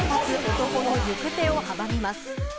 男の行く手を阻みいます。